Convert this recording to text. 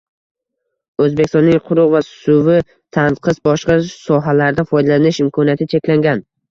O‘zbekistonning quruq va suvi tanqis, boshqa sohalarda foydalanish imkoniyati cheklangan